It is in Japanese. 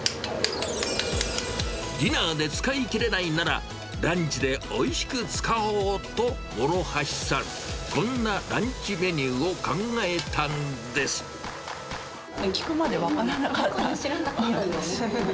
ディナーで使いきれないなら、ランチでおいしく使おうと諸橋さん、こんなランチメニューを考え聞くまで分からなかった。